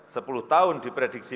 sepuluh tahun diprediksi